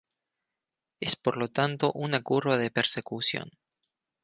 Es por lo tanto una curva de persecución.